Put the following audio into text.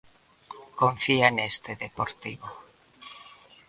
Confía neste Deportivo.